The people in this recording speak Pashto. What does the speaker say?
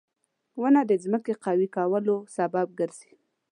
• ونه د ځمکې قوي کولو سبب ګرځي.